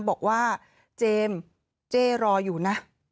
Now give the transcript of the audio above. บอกว่าเจมส์เจ๊รออยู่นะ